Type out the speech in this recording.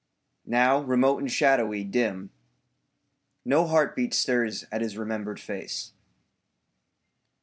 Now, remote and shadowy, dim, No heartbeat stirs at his remembered face.